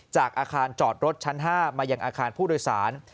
จากอาคารจอดรถชั้น๕มายังอาคารผู้โดยสาร